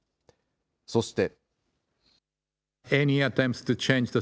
そして。